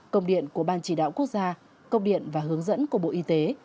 công điện của ban chỉ đạo quốc gia công điện và hướng dẫn của bộ y tế